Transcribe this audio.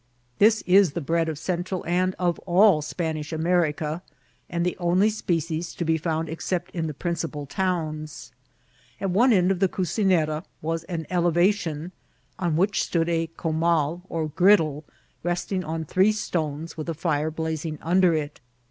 This is the bread of Central and of all Spanish Ameri ca, and the only species to be found except in the prin cipal towns. At one end of the cucinera was an eleva tion, on which stood a comal or griddle, resting on three stones, with a fire blazing under it.